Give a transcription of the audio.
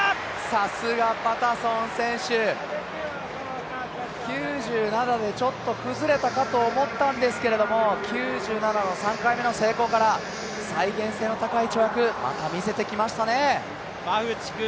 さすがパタソン選手９７でちょっと崩れたかと思ったんですけれども９７の３回目の成功から再現性の高い跳躍、また見せてきましたね。